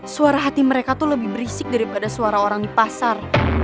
suara hati mereka tuh lebih berisik daripada suara orang di pasar